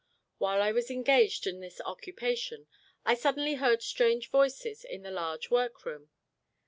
While I was engaged in this occupation, I suddenly heard strange voices in the large workroom.